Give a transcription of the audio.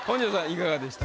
いかがでした？